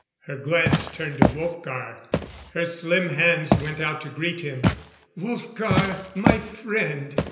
Her glance turned to Wolfgar; her slim hands went out to greet him. "Wolfgar, my friend.